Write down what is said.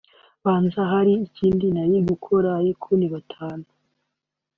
ubanza hari ikindi nari gukora ariko ntibatane